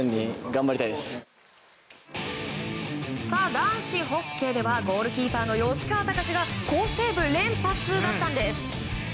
男子ホッケーではゴールキーパーの吉川貴史が好セーブ連発だったんです。